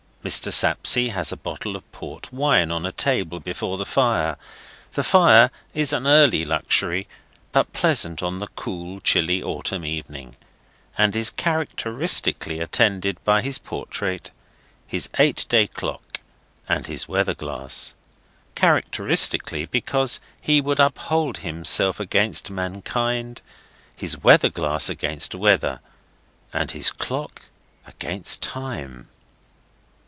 Mr. Sapsea has a bottle of port wine on a table before the fire—the fire is an early luxury, but pleasant on the cool, chilly autumn evening—and is characteristically attended by his portrait, his eight day clock, and his weather glass. Characteristically, because he would uphold himself against mankind, his weather glass against weather, and his clock against time.